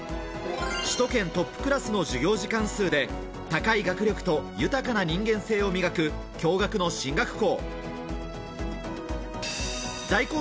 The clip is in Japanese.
首都圏トップクラスの授業時間数で高い学力と豊かな人間性を磨く、共学の進学校。